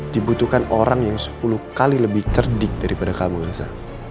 dibutuhkan orang yang sepuluh kali lebih cerdik daripada kamu yang bisa